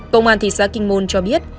công an thị xã kinh môn cho biết